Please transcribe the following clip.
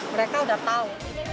mereka udah tahu